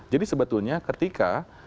jadi sebetulnya ketika